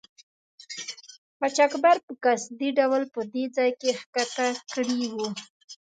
قاچاقبر په قصدي ډول په دې ځای کې ښکته کړي وو.